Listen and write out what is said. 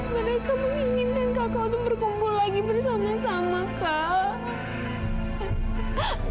minta kamu inginkan kakak untuk berkumpul lagi bersama sama kak